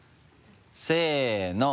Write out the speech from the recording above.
せの。